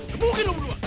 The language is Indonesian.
jepukin lo berdua